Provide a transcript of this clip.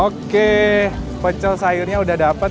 oke pecel sayurnya udah dapet